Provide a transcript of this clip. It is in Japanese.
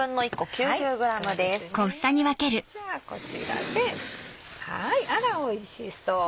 じゃあこちらであらおいしそう！